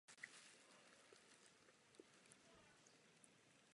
Na východ od pobřežní planiny se nachází oblast centrální vysočiny.